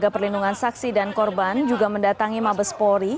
tiga perlindungan saksi dan korban juga mendatangi mabes polri